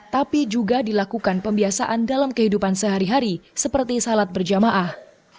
tapi juga dilakukan pembiasaan dalam kehidupan sehari hari seperti salat berjamaah